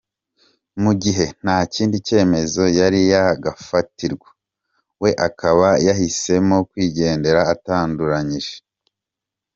Mu gihe nta kindi cyemezo yari yagafatirwa, we akaba yahisemo kwigendera atanduranyije.